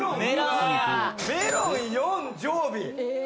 メロン４、常備。